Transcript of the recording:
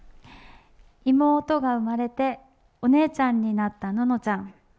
妹が生まれて、お姉ちゃんになったののちゃん。